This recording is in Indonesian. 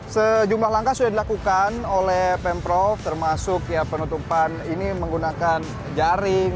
sejumlah langkah sudah dilakukan oleh pemprov termasuk ya penutupan ini menggunakan jaring